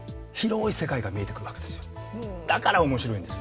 だから面白いんです。